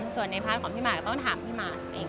ส่วนในพาร์ทของพี่หมากก็ต้องถามพี่หมากเอง